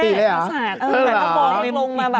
ป์นี่ตัวพอดี